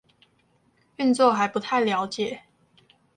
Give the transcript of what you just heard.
運作還不太了解